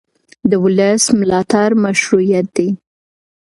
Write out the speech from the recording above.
د ولس ملاتړ مشروعیت دی